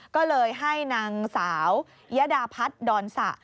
ก็เลยให้นางสาวยดาพัฒน์ดอนสะ